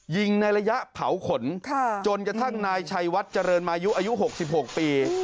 ยิงในระยะเผาขนจนกระทั่งนายชัยวัดเจริญมายุอายุ๖๖ปี